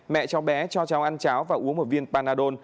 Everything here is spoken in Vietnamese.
mẹ cháu bé cho cháu ăn cháo và uống một viên panadon